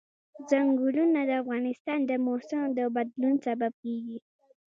ځنګلونه د افغانستان د موسم د بدلون سبب کېږي.